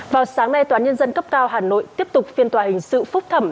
vào sáng nay tòa án nhân dân cấp cao hà nội tiếp tục phiên tòa hình sự phúc thẩm